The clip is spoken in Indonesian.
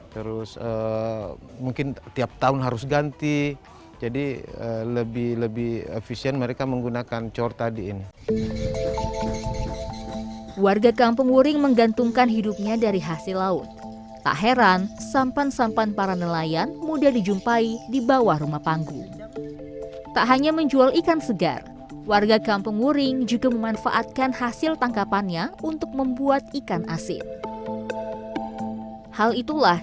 perkilian produk pembicaraan ini bisa banyak rupiah terus genius karena harus menipu shout titulah